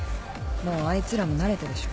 もうあいつらも慣れたでしょ。